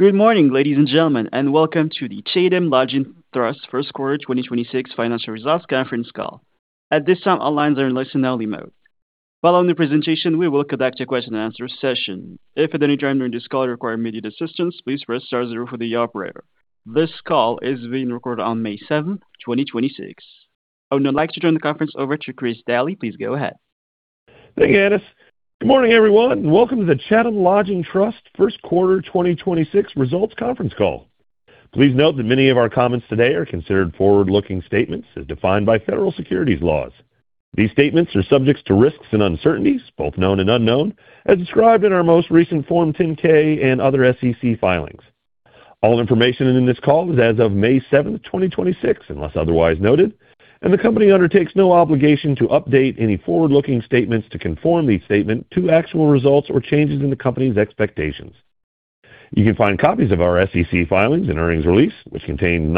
Good morning, ladies and gentlemen, and welcome to the Chatham Lodging Trust first quarter 2026 financial results conference call. Following the presentation, we will conduct a question and answer session. If at any time during this call you require immediate assistance, please press star zero for the operator. This call is being recorded on May 7th, 2026. I would now like to turn the conference over to Chris Daly. Please go ahead. Thank you, Dennis. Good morning, everyone. Welcome to the Chatham Lodging Trust first quarter 2026 results conference call. Please note that many of our comments today are considered forward-looking statements as defined by federal securities laws. These statements are subject to risks and uncertainties, both known and unknown, as described in our most recent Form 10-K and other SEC filings. All information in this call is as of May 7, 2026, unless otherwise noted, and the company undertakes no obligation to update any forward-looking statements to conform each statement to actual results or changes in the company's expectations. You can find copies of our SEC filings and earnings release, which contain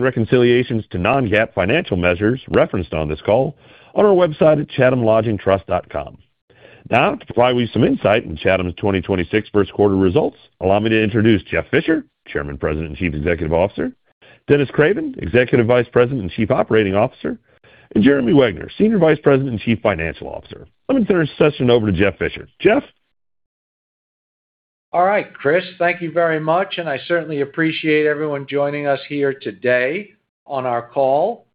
reconciliations to non-GAAP financial measures referenced on this call on our website at chathamlodgingtrust.com. Now, to provide you with some insight into Chatham's 2026 first quarter results, allow me to introduce Jeff Fisher, Chairman, President, and Chief Executive Officer, Dennis Craven, Executive Vice President and Chief Operating Officer, and Jeremy Wegner, Senior Vice President and Chief Financial Officer. Let me turn this session over to Jeff Fisher. Jeff? All right. Chris, thank you very much. I certainly appreciate everyone joining us here today on our call.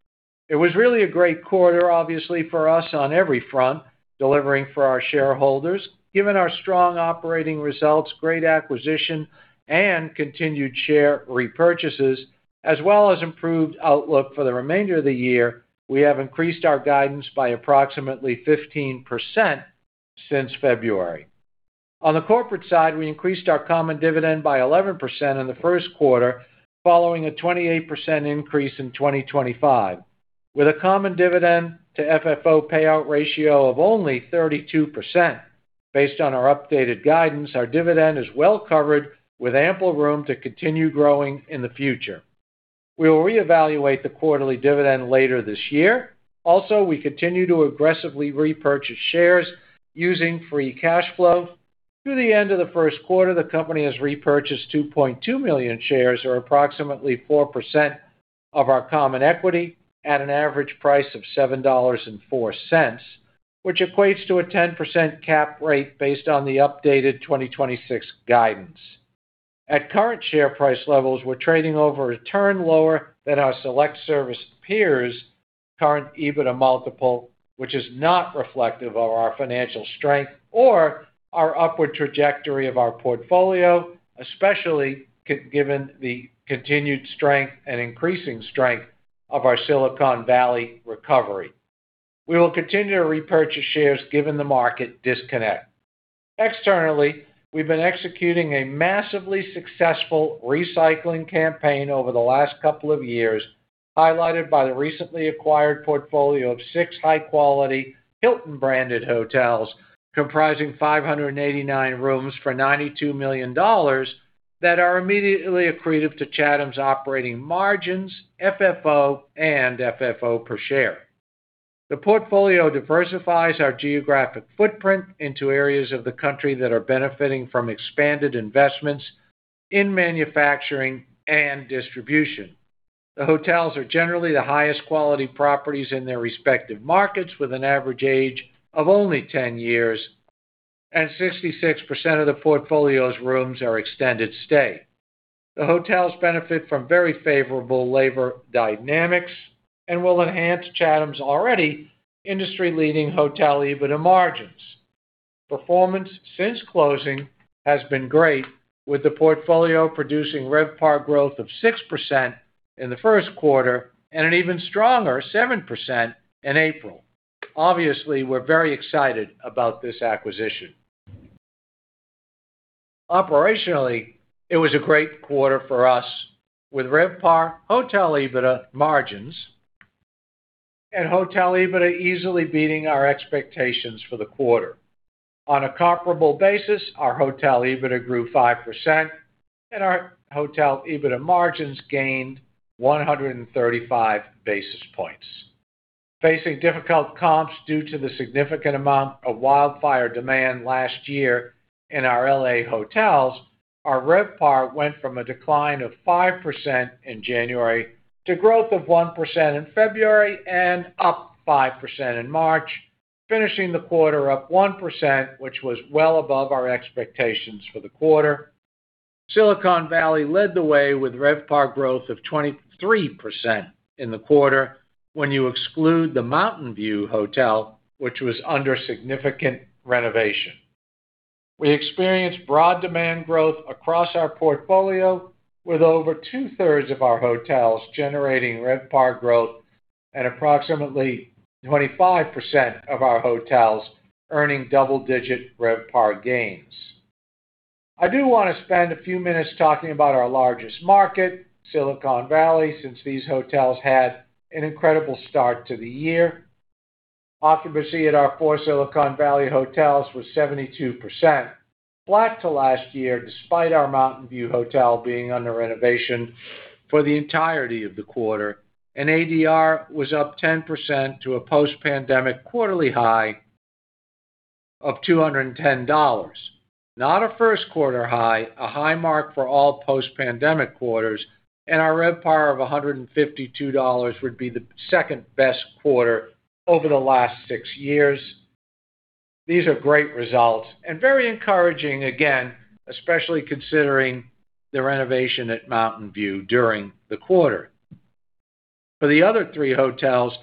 It was really a great quarter, obviously, for us on every front, delivering for our shareholders. Given our strong operating results, great acquisition, and continued share repurchases, as well as improved outlook for the remainder of the year, we have increased our guidance by approximately 15% since February. On the corporate side, we increased our common dividend by 11% in the first quarter, following a 28% increase in 2025. With a common dividend to FFO payout ratio of only 32% based on our updated guidance, our dividend is well covered with ample room to continue growing in the future. We will reevaluate the quarterly dividend later this year. We continue to aggressively repurchase shares using free cash flow. Through the end of the first quarter, the company has repurchased 2.2 million shares, or approximately 4% of our common equity, at an average price of $7.04, which equates to a 10% cap rate based on the updated 2026 guidance. At current share price levels, we're trading over a turn lower than our select service peers current EBITDA multiple, which is not reflective of our financial strength or our upward trajectory of our portfolio, especially given the continued strength and increasing strength of our Silicon Valley recovery. We will continue to repurchase shares given the market disconnect. Externally, we've been executing a massively successful recycling campaign over the last couple of years, highlighted by the recently acquired portfolio of six high-quality Hilton-branded hotels comprising 589 rooms for $92 million that are immediately accretive to Chatham's operating margins, FFO, and FFO per share. The portfolio diversifies our geographic footprint into areas of the country that are benefiting from expanded investments in manufacturing and distribution. The hotels are generally the highest quality properties in their respective markets, with an average age of only 10 years, and 66% of the portfolio's rooms are extended stay. The hotels benefit from very favorable labor dynamics and will enhance Chatham's already industry-leading hotel EBITDA margins. Performance since closing has been great, with the portfolio producing RevPAR growth of 6% in the first quarter and an even stronger 7% in April. Obviously, we're very excited about this acquisition. Operationally, it was a great quarter for us with RevPAR hotel EBITDA margins and hotel EBITDA easily beating our expectations for the quarter. On a comparable basis, our hotel EBITDA grew 5% and our hotel EBITDA margins gained 135 basis points. Facing difficult comps due to the significant amount of wildfire demand last year in our L.A. hotels, our RevPAR went from a decline of 5% in January to growth of 1% in February and up 5% in March, finishing the quarter up 1%, which was well above our expectations for the quarter. Silicon Valley led the way with RevPAR growth of 23% in the quarter when you exclude the Mountain View Hotel, which was under significant renovation. We experienced broad demand growth across our portfolio with over two-thirds of our hotels generating RevPAR growth and approximately 25% of our hotels earning double-digit RevPAR gains. I do want to spend a few minutes talking about our largest market, Silicon Valley, since these hotels had an incredible start to the year. Occupancy at our four Silicon Valley hotels was 72%, flat to last year, despite our Mountain View Hotel being under renovation for the entirety of the quarter. ADR was up 10% to a post-pandemic quarterly high of $210. Not a first quarter high, a high mark for all post-pandemic quarters, and our RevPAR of $152 would be the second-best quarter over the last six years. These are great results and very encouraging, again, especially considering the renovation at Mountain View during the quarter. For the other three hotels,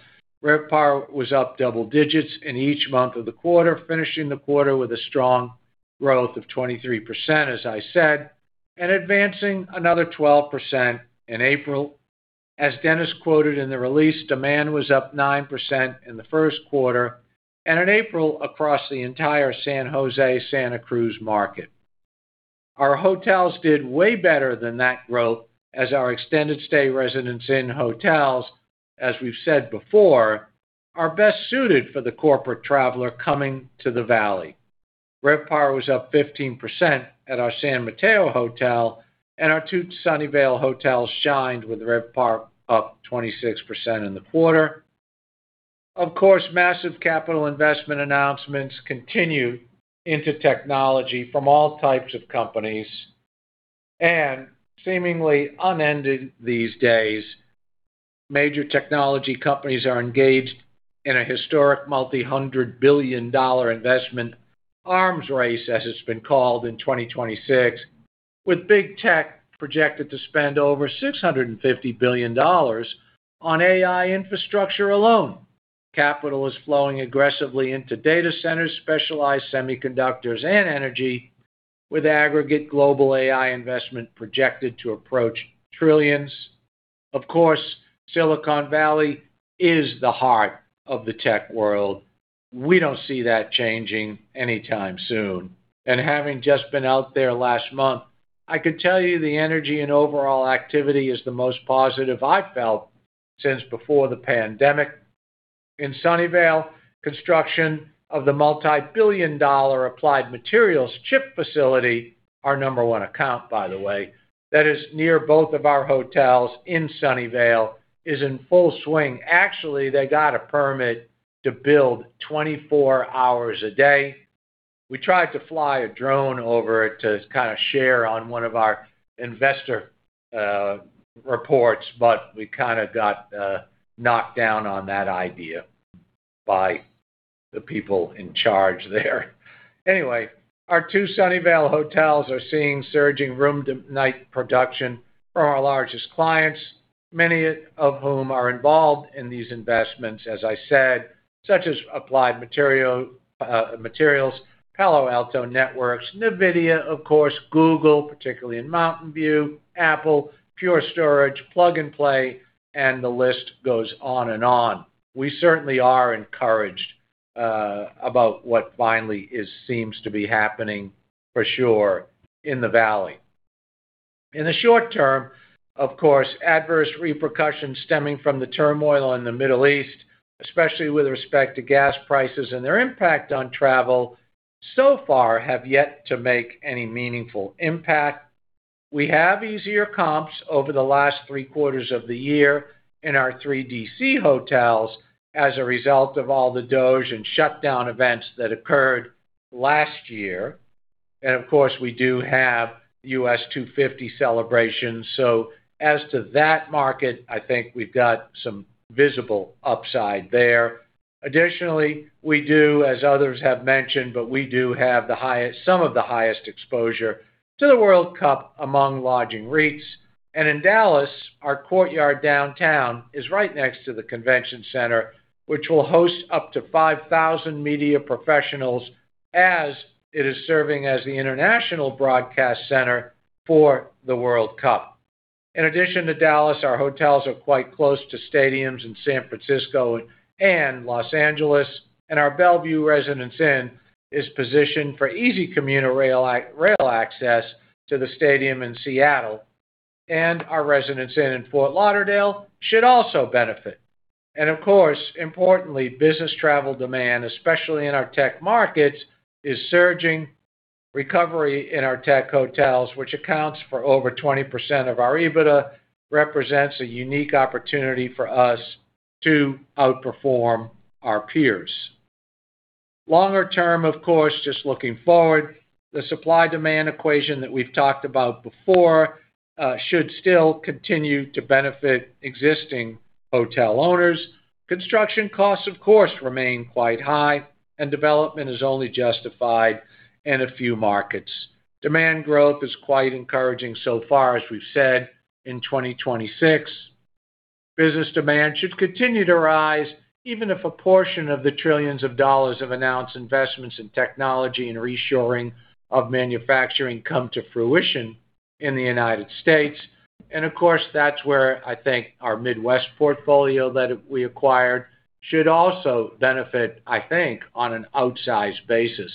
RevPAR was up double-digits in each month of the quarter, finishing the quarter with a strong growth of 23%, as I said, and advancing another 12% in April. As Dennis quoted in the release, demand was up 9% in the first quarter and in April across the entire San Jose-Santa Cruz market. Our hotels did way better than that growth as our extended stay residents in hotels, as we've said before, are best suited for the corporate traveler coming to the valley. RevPAR was up 15% at our San Mateo hotel, and our two Sunnyvale hotels shined with RevPAR up 26% in the quarter. Of course, massive capital investment announcements continue into technology from all types of companies. Seemingly unended these days, major technology companies are engaged in a historic multi-hundred billion dollar investment arms race, as it's been called, in 2026, with big tech projected to spend over $650 billion on AI infrastructure alone. Capital is flowing aggressively into data centers, specialized semiconductors, and energy, with aggregate global AI investment projected to approach trillions. Of course, Silicon Valley is the heart of the tech world. We don't see that changing anytime soon. Having just been out there last month, I could tell you the energy and overall activity is the most positive I've felt since before the pandemic. In Sunnyvale, construction of the multi-billion dollar Applied Materials chip facility, our number one account, by the way, that is near both of our hotels in Sunnyvale, is in full swing. Actually, they got a permit to build 24 hours a day. We tried to fly a drone over it to kind of share on one of our investor reports, but we kind of got knocked down on that idea by the people in charge there. Anyway, our two Sunnyvale hotels are seeing surging room-to-night production from our largest clients, many of whom are involved in these investments, as I said, such as Applied Materials, Palo Alto Networks, NVIDIA, of course, Google, particularly in Mountain View, Apple, Pure Storage, Plug & Play, and the list goes on and on. We certainly are encouraged about what finally seems to be happening for sure in the Valley. In the short term, of course, adverse repercussions stemming from the turmoil in the Middle East, especially with respect to gas prices and their impact on travel, so far have yet to make any meaningful impact. We have easier comps over the last three quarters of the year in our three D.C. hotels as a result of all the DOGE and shutdown events that occurred last year. Of course, we do have U.S. 250 celebrations. As to that market, I think we've got some visible upside there. We do, as others have mentioned, but we do have some of the highest exposure to the World Cup among lodging REITs. In Dallas, our Courtyard downtown is right next to the convention center, which will host up to 5,000 media professionals as it is serving as the international broadcast center for the World Cup. In addition to Dallas, our hotels are quite close to stadiums in San Francisco and Los Angeles. Our Bellevue Residence Inn is positioned for easy commuter rail access to the stadium in Seattle. Our Residence Inn in Fort Lauderdale should also benefit. Of course, importantly, business travel demand, especially in our tech markets, is surging. Recovery in our tech hotels, which accounts for over 20% of our EBITDA, represents a unique opportunity for us to outperform our peers. Longer term, of course, just looking forward, the supply-demand equation that we've talked about before, should still continue to benefit existing hotel owners. Construction costs, of course, remain quite high, and development is only justified in a few markets. Demand growth is quite encouraging so far, as we've said, in 2026. Business demand should continue to rise, even if a portion of the trillions of dollars of announced investments in technology and reshoring of manufacturing come to fruition in the U.S. Of course, that's where I think our Midwest portfolio that we acquired should also benefit, I think, on an outsized basis,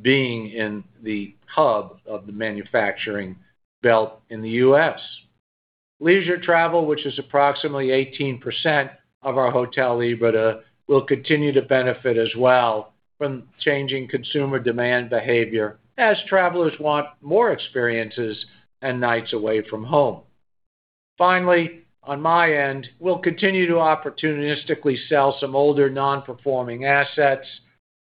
being in the hub of the manufacturing belt in the U.S. Leisure travel, which is approximately 18% of our hotel EBITDA, will continue to benefit as well from changing consumer demand behavior as travelers want more experiences and nights away from home. Finally, on my end, we'll continue to opportunistically sell some older non-performing assets,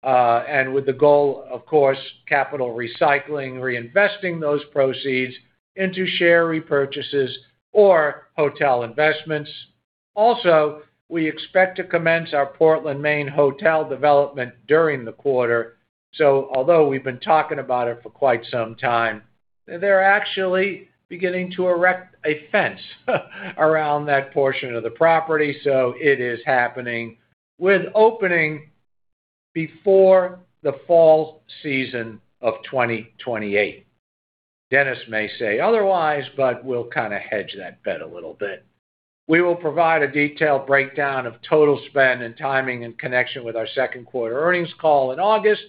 and with the goal, of course, capital recycling, reinvesting those proceeds into share repurchases or hotel investments. Also, we expect to commence our Portland, Maine hotel development during the quarter. Although we've been talking about it for quite some time, they're actually beginning to erect a fence around that portion of the property, so it is happening, with opening before the fall season of 2028. Dennis may say otherwise, but we'll kind of hedge that bet a little bit. We will provide a detailed breakdown of total spend and timing in connection with our second quarter earnings call in August.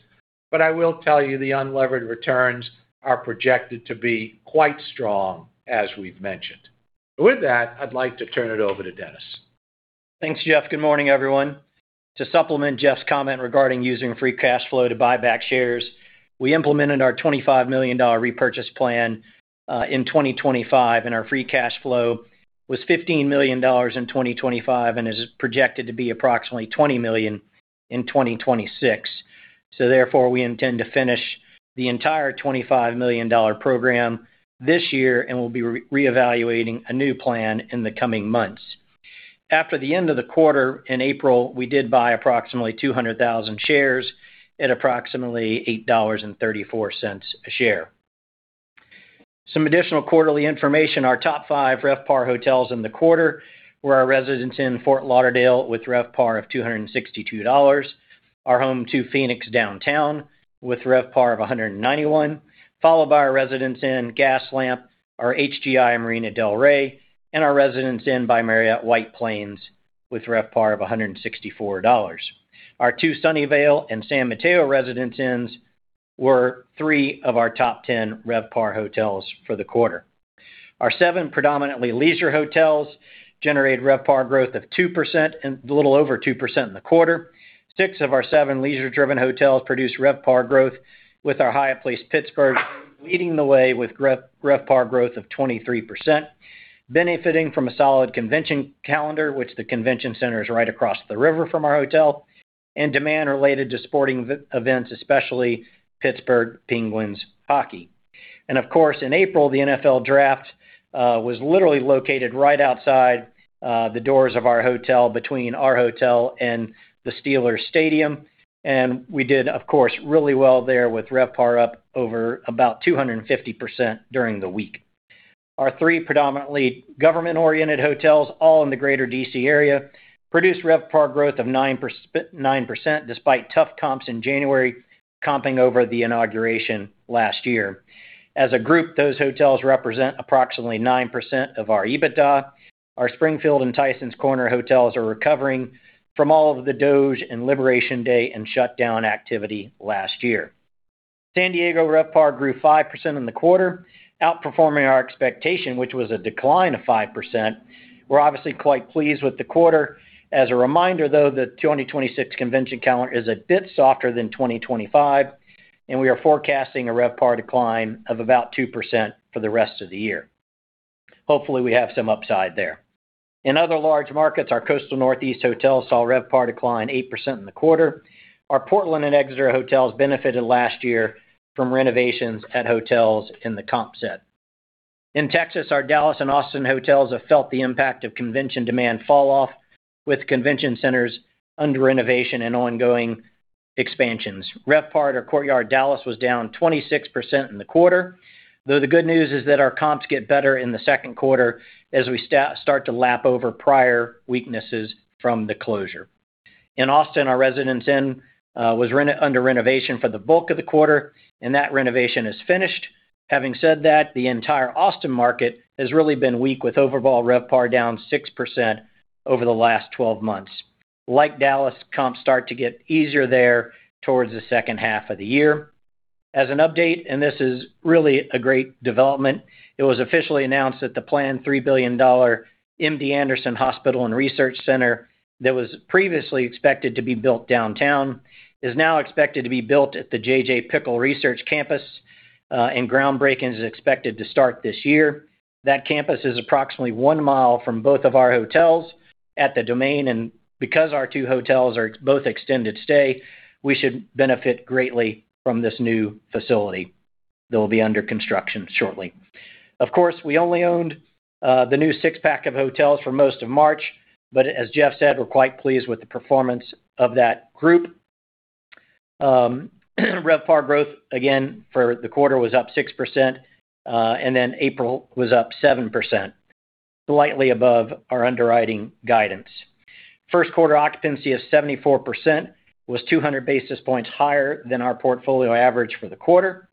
I will tell you the unlevered returns are projected to be quite strong, as we've mentioned. With that, I'd like to turn it over to Dennis. Thanks, Jeff. Good morning, everyone. To supplement Jeff's comment regarding using free cash flow to buy back shares, we implemented our $25 million repurchase plan in 2025, and our free cash flow was $15 million in 2025 and is projected to be approximately $20 million in 2026. Therefore, we intend to finish the entire $25 million program this year, and we'll be reevaluating a new plan in the coming months. After the end of the quarter in April, we did buy approximately 200,000 shares at approximately $8.34 a share. Some additional quarterly information. Our top five RevPAR hotels in the quarter were our Residence Inn Fort Lauderdale with RevPAR of $262, our Home2 Phoenix Downtown with RevPAR of $191, followed by our Residence Inn Gaslamp, our HGI Marina del Rey, and our Residence Inn by Marriott White Plains with RevPAR of $164. Our two Sunnyvale and San Mateo Residence Inns were three of our top ten RevPAR hotels for the quarter. Our seven predominantly leisure hotels generated RevPAR growth of a little over 2% in the quarter. Six of our seven leisure-driven hotels produced RevPAR growth, with our Hyatt Place Pittsburgh leading the way with RevPAR growth of 23%, benefiting from a solid convention calendar, which the convention center is right across the river from our hotel, and demand related to sporting events, especially Pittsburgh Penguins hockey. Of course, in April, the NFL Draft was literally located right outside the doors of our hotel between our hotel and the Steelers stadium, and we did, of course, really well there with RevPAR up over about 250% during the week. Our three predominantly government-oriented hotels, all in the greater D.C. area, produced RevPAR growth of 9% despite tough comps in January, comping over the inauguration last year. As a group, those hotels represent approximately 9% of our EBITDA. Our Springfield and Tysons Corner hotels are recovering from all of the DOGE and Liberation Day and shutdown activity last year. San Diego RevPAR grew 5% in the quarter, outperforming our expectation, which was a decline of 5%. We're obviously quite pleased with the quarter. As a reminder, though, the 2026 convention calendar is a bit softer than 2025, and we are forecasting a RevPAR decline of about 2% for the rest of the year. Hopefully, we have some upside there. In other large markets, our coastal Northeast hotels saw RevPAR decline 8% in the quarter. Our Portland and Exeter hotels benefited last year from renovations at hotels in the comp set. In Texas, our Dallas and Austin hotels have felt the impact of convention demand fall off with convention centers under renovation and ongoing expansions. RevPAR at our Courtyard Dallas was down 26% in the quarter, though the good news is that our comps get better in the second quarter as we start to lap over prior weaknesses from the closure. In Austin, our Residence Inn was re-under renovation for the bulk of the quarter, and that renovation is finished. Having said that, the entire Austin market has really been weak with overall RevPAR down 6% over the last 12 months. Like Dallas, comps start to get easier there towards the second half of the year. As an update, this is really a great development, it was officially announced that the planned $3 billion MD Anderson Hospital and Research Center that was previously expected to be built downtown is now expected to be built at the J.J. Pickle Research Campus, and groundbreaking is expected to start this year. That campus is approximately 1 mi from both of our hotels at The Domain, and because our two hotels are both extended stay, we should benefit greatly from this new facility that will be under construction shortly. Of course, we only owned the new six-pack of hotels for most of March. As Jeff said, we're quite pleased with the performance of that group. RevPAR growth again for the quarter was up 6%. Then April was up 7%, slightly above our underwriting guidance. First quarter occupancy of 74% was 200 basis points higher than our portfolio average for the quarter.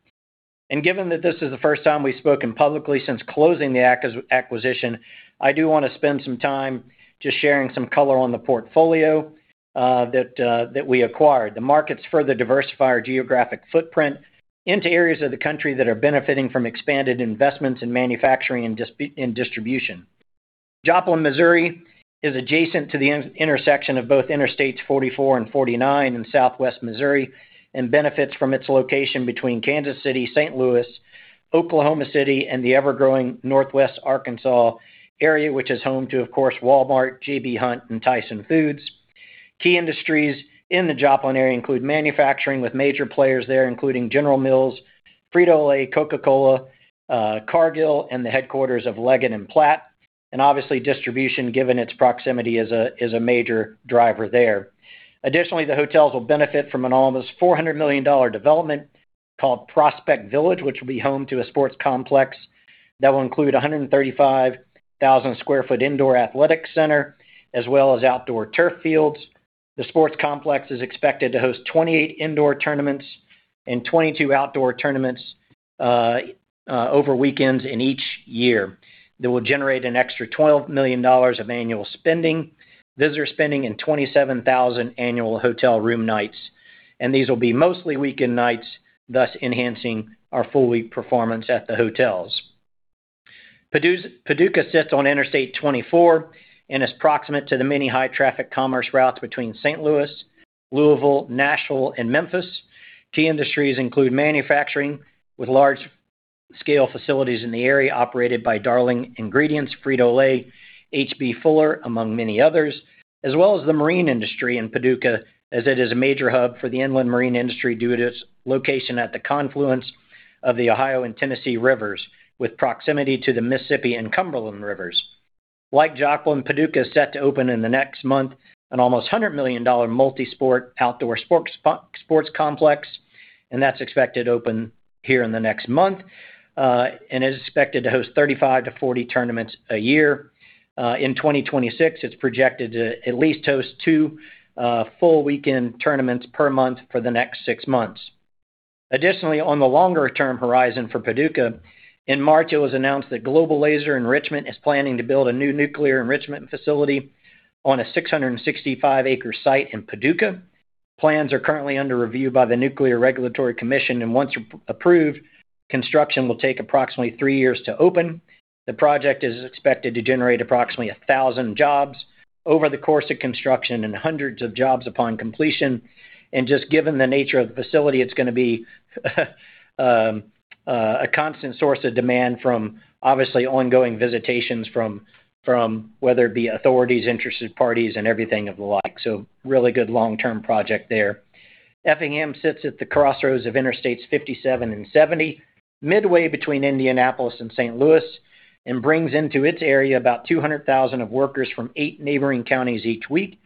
Given that this is the first time we've spoken publicly since closing the acquisition, I do want to spend some time just sharing some color on the portfolio that we acquired. The markets further diversify our geographic footprint into areas of the country that are benefiting from expanded investments in manufacturing and distribution. Joplin, Missouri is adjacent to the intersection of both Interstates 44 and 49 in Southwest Missouri, and benefits from its location between Kansas City, St. Louis, Oklahoma City, and the ever-growing Northwest Arkansas area, which is home to, of course, Walmart, J.B. Hunt, and Tyson Foods. Key industries in the Joplin area include manufacturing with major players there, including General Mills, Frito-Lay, Coca-Cola, Cargill, and the headquarters of Leggett & Platt. Obviously distribution, given its proximity, is a major driver there. Additionally, the hotels will benefit from an almost $400 million development called Prospect Village, which will be home to a sports complex that will include a 135,000 sq ft indoor athletic center, as well as outdoor turf fields. The sports complex is expected to host 28 indoor tournaments and 22 outdoor tournaments over weekends in each year. That will generate an extra $12 million of annual spending. Visitors spending in 27,000 annual hotel room nights, and these will be mostly weekend nights, thus enhancing our full-week performance at the hotels. Paducah sits on Interstate 24 and is proximate to the many high-traffic commerce routes between St. Louis, Louisville, Nashville, and Memphis. Key industries include manufacturing, with large-scale facilities in the area operated by Darling Ingredients, Frito-Lay, H.B. Fuller, among many others, as well as the marine industry in Paducah, as it is a major hub for the inland marine industry due to its location at the confluence of the Ohio and Tennessee rivers, with proximity to the Mississippi and Cumberland rivers. Like Joplin, Paducah is set to open in the next month an almost $100 million multi-sport outdoor sports complex, and that's expected to open here in the next month, and is expected to host 35-40 tournaments a year. In 2026, it's projected to at least host two full weekend tournaments per month for the next six months. Additionally, on the longer-term horizon for Paducah, in March, it was announced that Global Laser Enrichment is planning to build a new nuclear enrichment facility on a 665 acre site in Paducah. Plans are currently under review by the Nuclear Regulatory Commission. Once approved, construction will take approximately three years to open. The project is expected to generate approximately 1,000 jobs over the course of construction and hundreds of jobs upon completion. Just given the nature of the facility, it's going to be a constant source of demand from obviously ongoing visitations from whether it be authorities, interested parties, and everything of the like. Really good long-term project there. Effingham sits at the crossroads of Interstates 57 and 70, midway between Indianapolis and St. Louis, and brings into its area about 200,000 of workers from eight neighboring counties each week.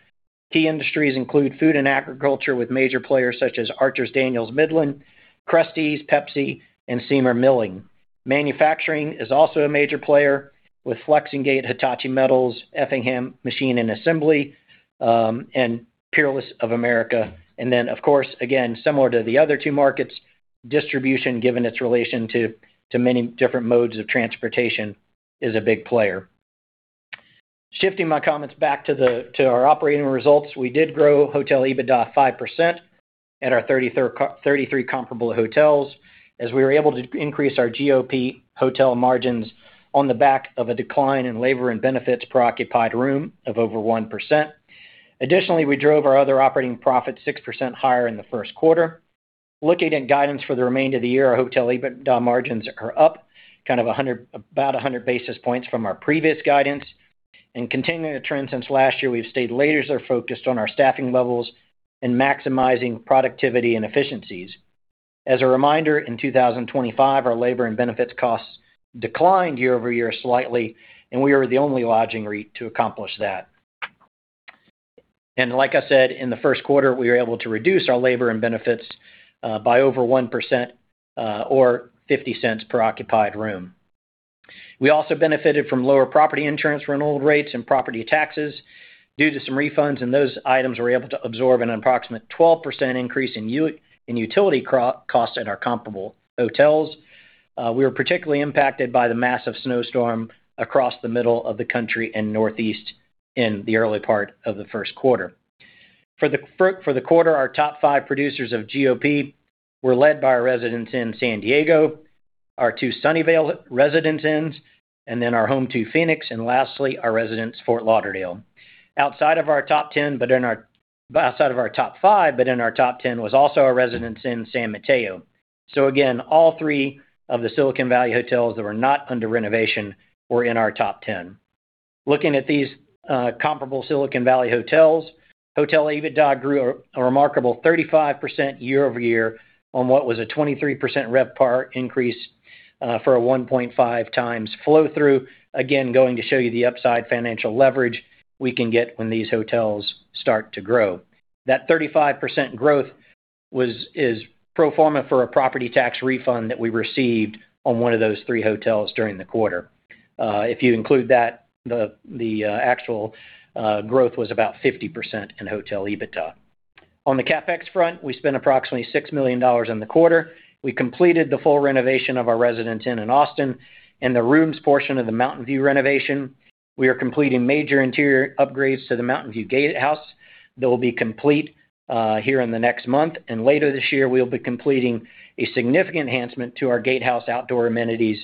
Key industries include food and agriculture, with major players such as Archer Daniels Midland, Krusteaz, Pepsi, and Siemer Milling. Manufacturing is also a major player, with Flex-N-Gate, Hitachi Metals, Effingham Machining & Assembly, and Peerless of America. Then, of course, again, similar to the other two markets, distribution, given its relation to many different modes of transportation, is a big player. Shifting my comments back to our operating results, we did grow hotel EBITDA 5% at our 33 comparable hotels, as we were able to increase our GOP hotel margins on the back of a decline in labor and benefits per occupied room of over 1%. Additionally, we drove our other operating profit 6% higher in the first quarter. Looking at guidance for the remainder of the year, our hotel EBITDA margins are up kind of about 100 basis points from our previous guidance. Continuing the trend since last year, we've stayed laser-focused on our staffing levels and maximizing productivity and efficiencies. As a reminder, in 2025, our labor and benefits costs declined year-over-year slightly, and we are the only lodging REIT to accomplish that. Like I said, in the first quarter, we were able to reduce our labor and benefits by over 1%, or $0.50 per occupied room. We also benefited from lower property insurance renewal rates and property taxes due to some refunds, and those items were able to absorb an approximate 12% increase in utility costs at our comparable hotels. We were particularly impacted by the massive snowstorm across the middle of the country and Northeast in the early part of the first quarter. For the quarter, our top five producers of GOP were led by our Residence Inn San Diego, our two Sunnyvale Residence Inns, and then our Home2 Phoenix, and lastly, our Residence Fort Lauderdale. Outside of our top five but in our top 10 was also our Residence Inn San Mateo. Again, all three of the Silicon Valley hotels that were not under renovation were in our top 10. Looking at these comparable Silicon Valley hotels, hotel EBITDA grew a remarkable 35% year-over-year on what was a 23% RevPAR increase for a 1.5 times flow through. Going to show you the upside financial leverage we can get when these hotels start to grow. That 35% growth is pro forma for a property tax refund that we received on one of those three hotels during the quarter. If you include that, the actual growth was about 50% in hotel EBITDA. On the CapEx front, we spent approximately $6 million in the quarter. We completed the full renovation of our Residence Inn in Austin and the rooms portion of the Mountain View renovation. We are completing major interior upgrades to the Mountain View Gatehouse that will be complete here in the next month. Later this year, we'll be completing a significant enhancement to our Gatehouse outdoor amenities.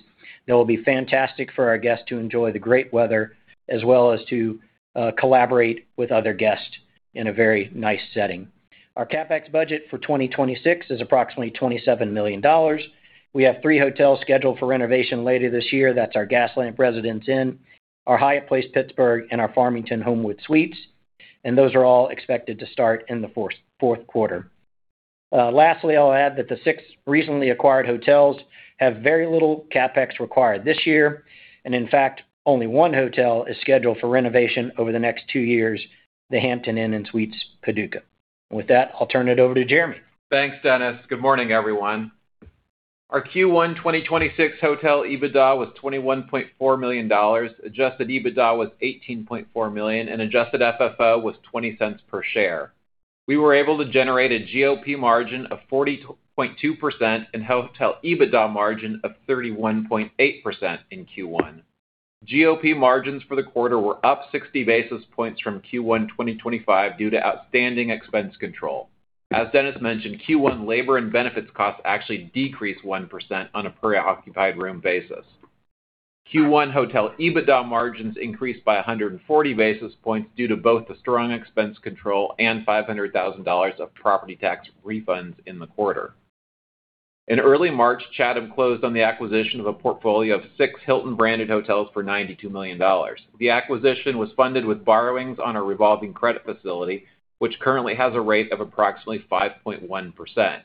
That will be fantastic for our guests to enjoy the great weather as well as to collaborate with other guests in a very nice setting. Our CapEx budget for 2026 is approximately $27 million. We have three hotels scheduled for renovation later this year. That's our Gaslamp Residence Inn, our Hyatt Place Pittsburgh, and our Homewood Suites Farmington, and those are all expected to start in the fourth quarter. Lastly, I'll add that the six recently acquired hotels have very little CapEx required this year, and in fact, only one hotel is scheduled for renovation over the next two years, the Hampton Inn & Suites Paducah. With that, I'll turn it over to Jeremy. Thanks, Dennis. Good morning, everyone. Our Q1 2026 hotel EBITDA was $21.4 million. Adjusted EBITDA was $18.4 million, and adjusted FFO was $0.20 per share. We were able to generate a GOP margin of 42.2% and hotel EBITDA margin of 31.8% in Q1. GOP margins for the quarter were up 60 basis points from Q1 2025 due to outstanding expense control. As Dennis mentioned, Q1 labor and benefits costs actually decreased 1% on a per occupied room basis. Q1 hotel EBITDA margins increased by 140 basis points due to both the strong expense control and $500,000 of property tax refunds in the quarter. In early March, Chatham closed on the acquisition of a portfolio of six Hilton-branded hotels for $92 million. The acquisition was funded with borrowings on a revolving credit facility, which currently has a rate of approximately 5.1%.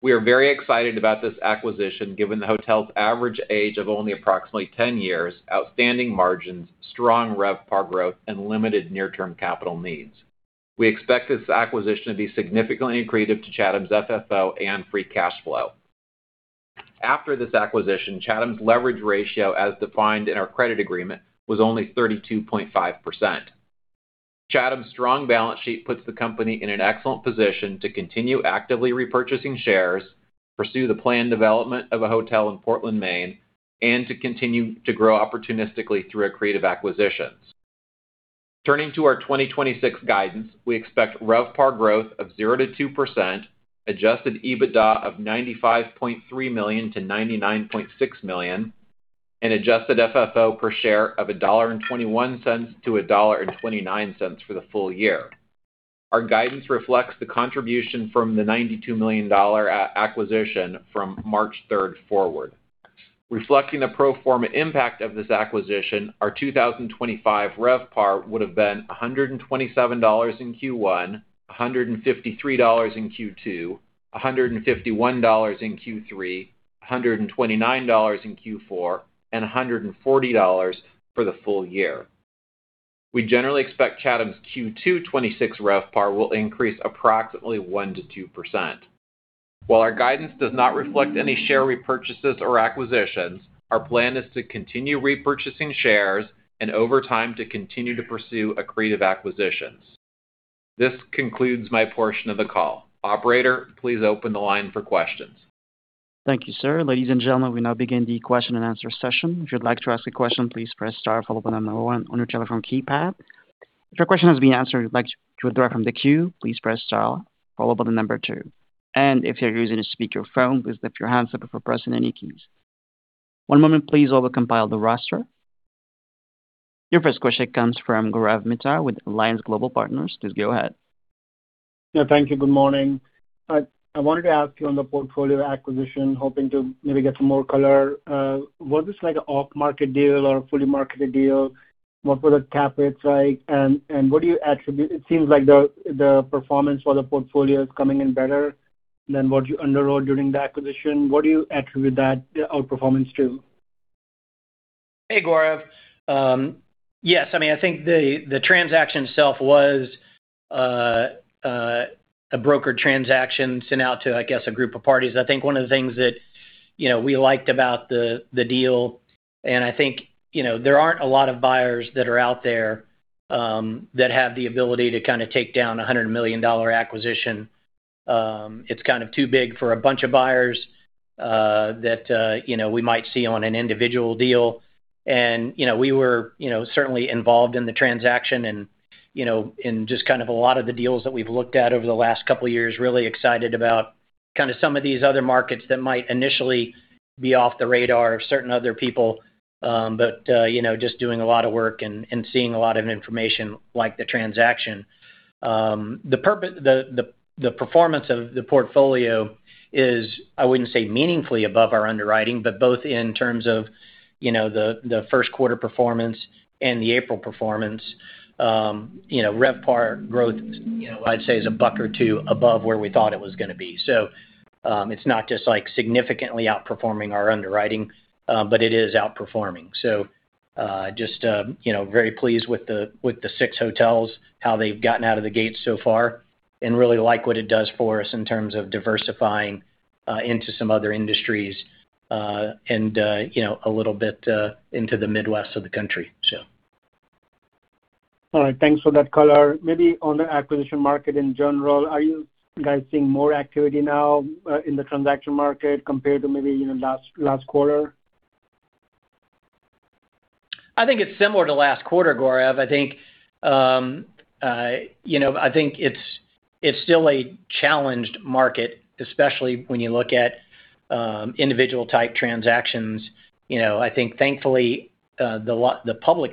We are very excited about this acquisition, given the hotel's average age of only approximately 10 years, outstanding margins, strong RevPAR growth, and limited near-term capital needs. We expect this acquisition to be significantly accretive to Chatham's FFO and free cash flow. After this acquisition, Chatham's leverage ratio, as defined in our credit agreement, was only 32.5%. Chatham's strong balance sheet puts the company in an excellent position to continue actively repurchasing shares, pursue the planned development of a hotel in Portland, Maine, and to continue to grow opportunistically through accretive acquisitions. Turning to our 2026 guidance, we expect RevPAR growth of 0%-2%, adjusted EBITDA of $95.3 million-$99.6 million, and adjusted FFO per share of $1.21-$1.29 for the full year. Our guidance reflects the contribution from the $92 million acquisition from March 3rd forward. Reflecting the pro forma impact of this acquisition, our 2025 RevPAR would have been $127 in Q1, $153 in Q2, $151 in Q3, $129 in Q4, and $140 for the full year. We generally expect Chatham's Q2 2026 RevPAR will increase approximately 1%-2%. While our guidance does not reflect any share repurchases or acquisitions, our plan is to continue repurchasing shares and over time, to continue to pursue accretive acquisitions. This concludes my portion of the call. Operator, please open the line for questions. Thank you, sir. Ladies and gentlemen, we now begin the question and answer session. If you'd like to ask a question, please press star followed by one on your telephone keypad. If your question has been answered and you'd like to withdraw from the queue, please press star followed by two. If you're using a speakerphone, please lift your handset before pressing any keys. One moment please while we compile the roster. Your first question comes from Gaurav Mehta with Alliance Global Partners. Please go ahead. Yeah, thank you. Good morning. I wanted to ask you on the portfolio acquisition, hoping to maybe get some more color. Was this like an off-market deal or a fully marketed deal? What were the CapEx like? What do you attribute-- It seems like the performance for the portfolio is coming in better than what you underwrote during the acquisition. What do you attribute that, the outperformance to? Hey, Gaurav. Yes. I mean, I think the transaction itself was a brokered transaction sent out to, I guess, a group of parties. I think one of the things that, you know, we liked about the deal, and I think, you know, there aren't a lot of buyers that are out there that have the ability to kinda take down a $100 million acquisition. It's kind of too big for a bunch of buyers that, you know, we might see on an individual deal. You know, we were, you know, certainly involved in the transaction and, you know, and just kind of a lot of the deals that we've looked at over the last couple of years, really excited about kinda some of these other markets that might initially be off the radar of certain other people. You know, just doing a lot of work and seeing a lot of information like the transaction. The performance of the portfolio is, I wouldn't say meaningfully above our underwriting, but both in terms of, you know, the first quarter performance and the April performance, you know, RevPAR growth, you know, I'd say is $1 or $2 above where we thought it was gonna be. It's not just like significantly outperforming our underwriting, but it is outperforming. Just, you know, very pleased with the, with the six hotels, how they've gotten out of the gate so far, and really like what it does for us in terms of diversifying into some other industries and, you know, a little bit into the Midwest of the country. All right. Thanks for that color. Maybe on the acquisition market in general, are you guys seeing more activity now, in the transaction market compared to maybe, you know, last quarter? I think it's similar to last quarter, Gaurav. I think, you know, it's still a challenged market, especially when you look at individual-type transactions. You know, I think thankfully, the public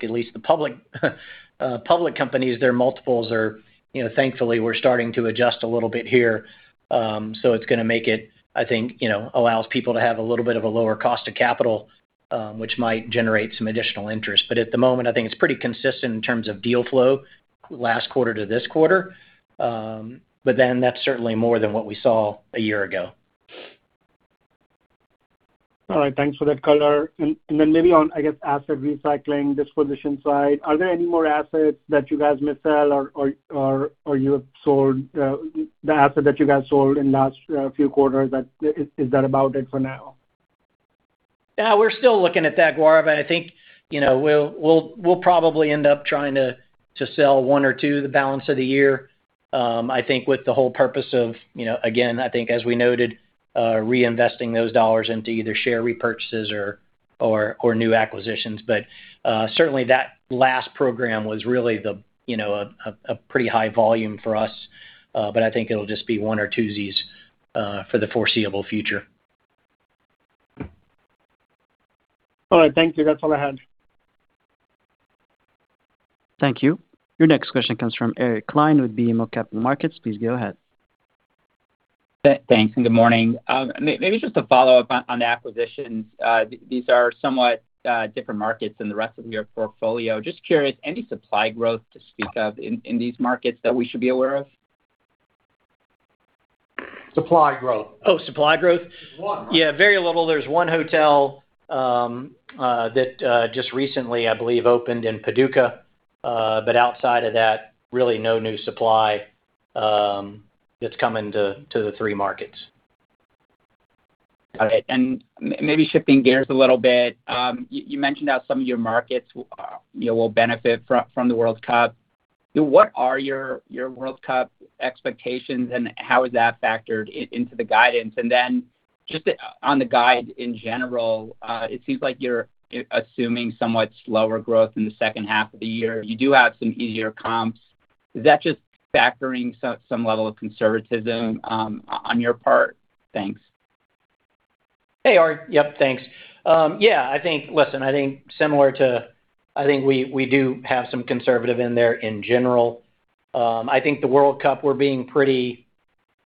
companies, their multiples are, you know, thankfully we're starting to adjust a little bit here. It's gonna make it, I think, you know, allows people to have a little bit of a lower cost of capital, which might generate some additional interest. At the moment, I think it's pretty consistent in terms of deal flow, last quarter to this quarter. That's certainly more than what we saw a year ago. All right, thanks for that color. Then maybe on, I guess, asset recycling disposition side, are there any more assets that you guys may sell or you have sold the asset that you guys sold in the last few quarters? Is that about it for now? Yeah, we're still looking at that, Gaurav. I think, you know, we'll probably end up trying to sell one or two the balance of the year. I think with the whole purpose of, you know, again, I think as we noted, reinvesting those dollars into either share repurchases or new acquisitions. Certainly that last program was really the, you know, a pretty high volume for us. I think it'll just be one or two Zs for the foreseeable future. All right. Thank you. That's all I had. Thank you. Your next question comes from Ari Klein with BMO Capital Markets. Please go ahead. Thanks. Good morning. maybe just a follow-up on the acquisitions. these are somewhat different markets than the rest of your portfolio. Just curious, any supply growth to speak of in these markets that we should be aware of? Supply growth. Oh, supply growth. Supply. Yeah, very little. There's one hotel that just recently I believe opened in Paducah. Outside of that, really no new supply that's coming to the three markets. Got it. Maybe shifting gears a little bit, you know, you mentioned how some of your markets will benefit from the World Cup. What are your World Cup expectations, and how is that factored into the guidance? Then just on the guide in general, it seems like you're assuming somewhat slower growth in the second half of the year. You do have some easier comps. Is that just factoring some level of conservatism, on your part? Thanks. Hey, Ari. Yep, thanks. Yeah, I think Listen, I think similar to, I think we do have some conservative in there in general. I think the World Cup, we're being pretty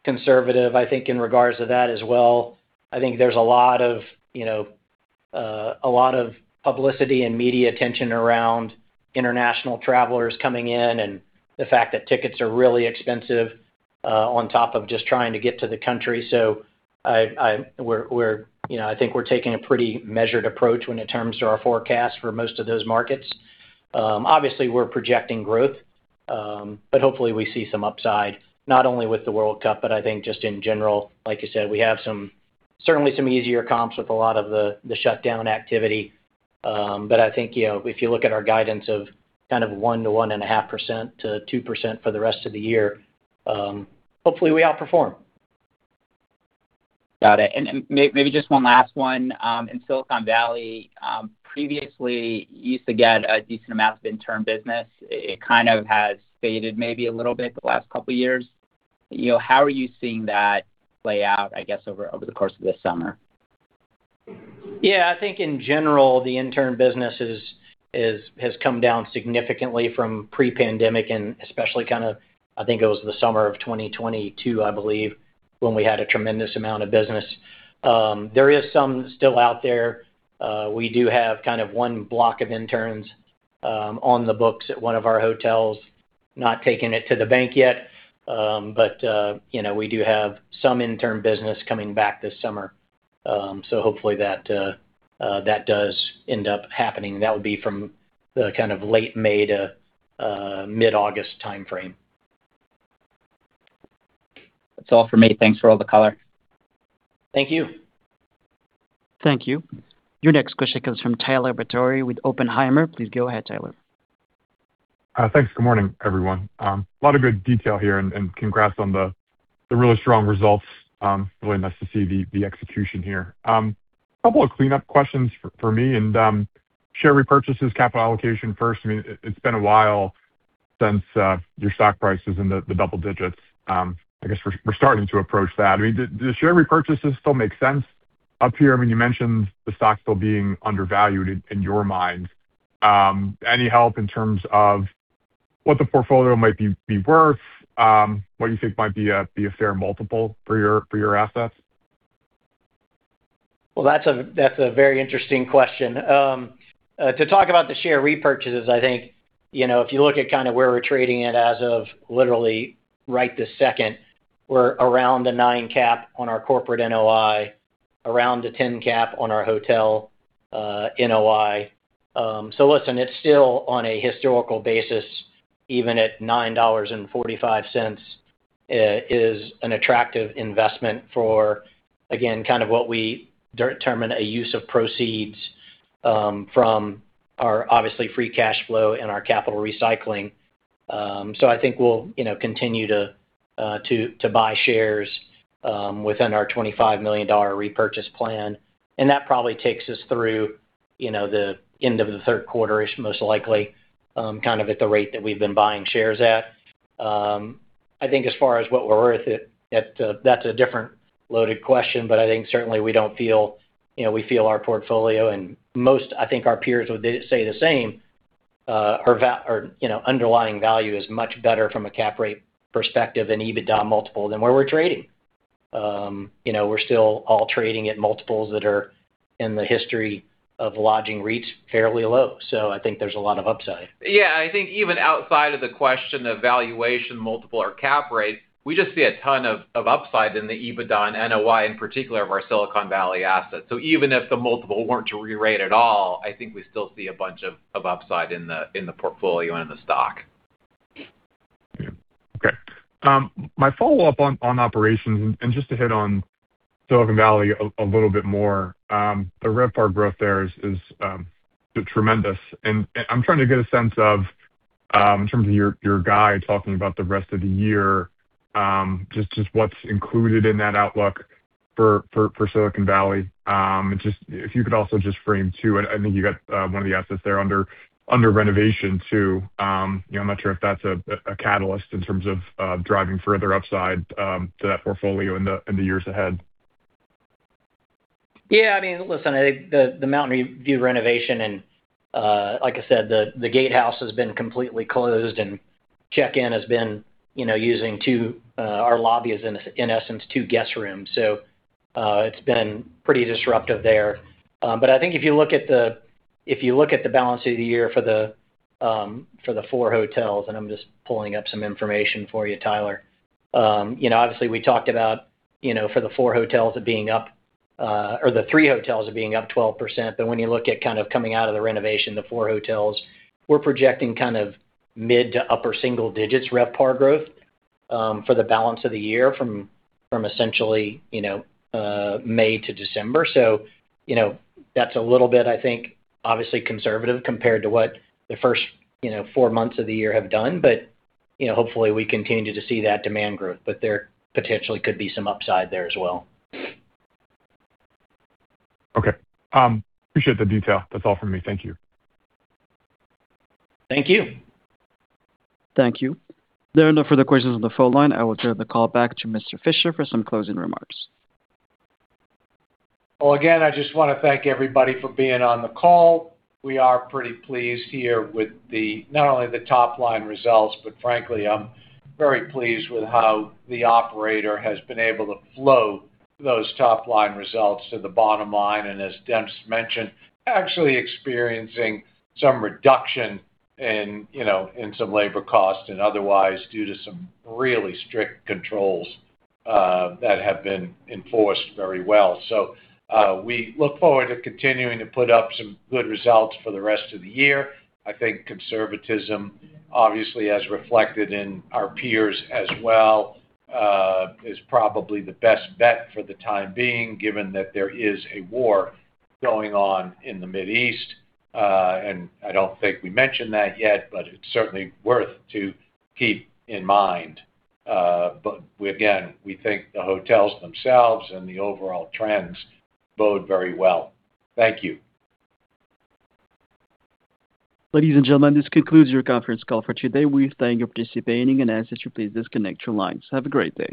conservative, I think, in regards to that as well. I think there's a lot of, you know, a lot of publicity and media attention around international travelers coming in and the fact that tickets are really expensive, on top of just trying to get to the country. We're, you know, I think we're taking a pretty measured approach when it comes to our forecast for most of those markets. Obviously, we're projecting growth, hopefully we see some upside, not only with the World Cup, but I think just in general. Like you said, we have some, certainly some easier comps with a lot of the shutdown activity. But I think, you know, if you look at our guidance of kind of 1%-1.5% to 2% for the rest of the year, hopefully we outperform. Got it. Maybe just one last one. In Silicon Valley, previously you used to get a decent amount of intern business. It kind of has faded maybe a little bit the last couple of years. You know, how are you seeing that play out, I guess, over the course of this summer? Yeah. I think in general, the intern business has come down significantly from pre-pandemic and especially kind of, I think it was the summer of 2022, I believe, when we had a tremendous amount of business. There is some still out there. We do have kind of one block of interns on the books at one of our hotels. Not taking it to the bank yet, but, you know, we do have some intern business coming back this summer. Hopefully that does end up happening. That would be from the kind of late May to mid-August timeframe. That's all for me. Thanks for all the color. Thank you. Thank you. Your next question comes from Tyler Batory with Oppenheimer. Please go ahead, Tyler. Thanks. Good morning, everyone. A lot of good detail here. Congrats on the really strong results. Really nice to see the execution here. A couple of cleanup questions for me. Share repurchases capital allocation first. I mean, it's been a while since your stock price is in the double-digits. I guess we're starting to approach that. I mean, does share repurchases still make sense up here? I mean, you mentioned the stock still being undervalued in your mind. Any help in terms of what the portfolio might be worth? What you think might be a fair multiple for your assets? Well, that's a very interesting question. To talk about the share repurchases, I think, you know, if you look at kind of where we're trading it as of literally right this second, we're around the 9% cap on our corporate NOI, around the 10% cap on our hotel NOI. Listen, it's still on a historical basis, even at $9.45, is an attractive investment for, again, kind of what we determine a use of proceeds from our obviously free cash flow and our capital recycling. I think we'll, you know, continue to buy shares within our $25 million repurchase plan. That probably takes us through, you know, the end of the third quarter-ish most likely, kind of at the rate that we've been buying shares at. I think as far as what we're worth it, that's a different loaded question, but I think certainly we don't feel, you know, we feel our portfolio and most, I think, our peers would they say the same, or, you know, underlying value is much better from a cap rate perspective and EBITDA multiple than where we're trading. You know, we're still all trading at multiples that are, in the history of lodging REITs, fairly low. I think there's a lot of upside. Yeah. I think even outside of the question of valuation multiple or cap rate, we just see a ton of upside in the EBITDA, NOI in particular of our Silicon Valley assets. Even if the multiple weren't to rerate at all, I think we still see a bunch of upside in the portfolio and in the stock. Yeah. Okay. My follow-up on operations, just to hit on Silicon Valley a little bit more, the RevPAR growth there is tremendous. I'm trying to get a sense of, in terms of your guide talking about the rest of the year, what's included in that outlook for Silicon Valley. Just if you could also just frame too, I think you got one of the assets there under renovation too. You know, I'm not sure if that's a catalyst in terms of driving further upside to that portfolio in the years ahead. Yeah. I mean, listen, I think the Mountain View renovation and, like I said, the Gatehouse has been completely closed, and check-in has been, you know, using two, our lobby is in essence two guest rooms. It's been pretty disruptive there. I think if you look at the balance of the year for the four hotels, I'm just pulling up some information for you, Tyler. You know, obviously, we talked about, you know, for the four hotels it being up, or the three hotels it being up 12%. When you look at kind of coming out of the renovation, the four hotels, we're projecting kind of mid to upper single digits RevPAR growth for the balance of the year from essentially, you know, May to December. You know, that's a little bit, I think, obviously conservative compared to what the first, you know, four months of the year have done. There potentially could be some upside there as well. Okay. Appreciate the detail. That's all for me. Thank you. Thank you. Thank you. There are no further questions on the phone line. I will turn the call back to Mr. Fisher for some closing remarks. Well, again, I just wanna thank everybody for being on the call. We are pretty pleased here with the, not only the top-line results, but frankly, I'm very pleased with how the operator has been able to flow those top-line results to the bottom line, and as Dennis mentioned, actually experiencing some reduction in, you know, in some labor costs and otherwise due to some really strict controls that have been enforced very well. We look forward to continuing to put up some good results for the rest of the year. I think conservatism, obviously as reflected in our peers as well, is probably the best bet for the time being, given that there is a war going on in the Mid East. I don't think we mentioned that yet, but it's certainly worth to keep in mind. We again, we think the hotels themselves and the overall trends bode very well. Thank you. Ladies and gentlemen, this concludes your conference call for today. We thank you participating and ask that you please disconnect your lines. Have a great day.